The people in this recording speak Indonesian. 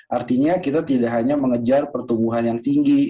artinya kita tidak hanya mengejar pertumbuhan yang tinggi